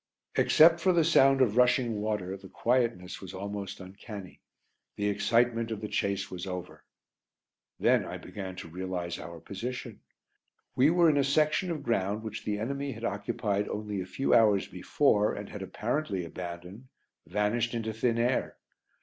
Except for the sound of rushing water the quietness was almost uncanny the excitement of the chase was over. Then I began to realise our position. We were in a section of ground which the enemy had occupied only a few hours before and had apparently abandoned vanished into thin air!